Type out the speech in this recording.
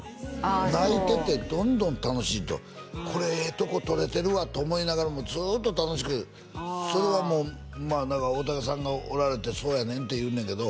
そう泣いててどんどん楽しいとこれええとこ撮れてるわって思いながらもずっと楽しくそれはもう何か大竹さんがおられてそうやねんって言うねんけど